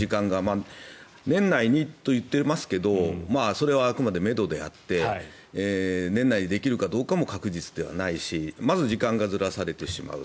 年内にといっていますがそれはあくまでめどであって年内にできるかどうかも確実ではないしまず、時間がずらされてしまう。